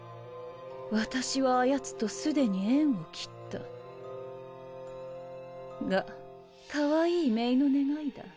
私はあやつとすでに縁を切った。がかわいい姪の願いだ。